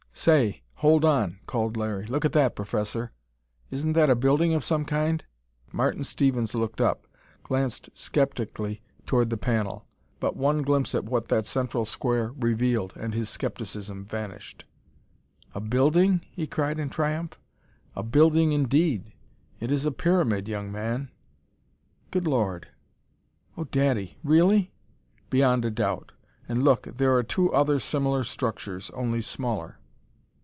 "Say hold on!" called Larry. "Look at that, Professor! Isn't that a building of some kind?" Martin Stevens looked up, glanced skeptically toward the panel. But one glimpse at what that central square revealed, and his skepticism vanished. "A building?" he cried in triumph. "A building indeed! It is a pyramid, young man!" "Good Lord!" "Oh, daddy! Really?" "Beyond a doubt! And look there are two other similar structures, only smaller!"